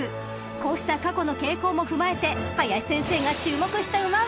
［こうした過去の傾向も踏まえて林先生が注目した馬は？］